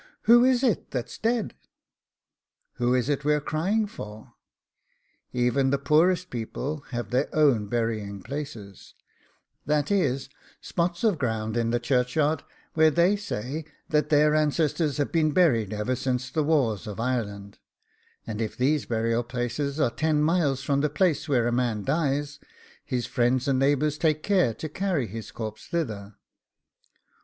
who is it that's dead? who is it we're crying for?' Even the poorest people have their own burying places that is, spots of ground in the churchyards where they say that their ancestors have been buried ever since the wars of Ireland; and if these burial places are ten miles from the place where a man dies, his friends and neighbours take care to carry his corpse thither.